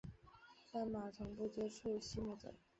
但马从不接触溪木贼。